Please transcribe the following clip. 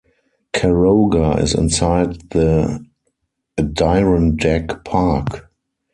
Caroga is inside the Adirondack Park.